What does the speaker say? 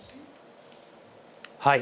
はい。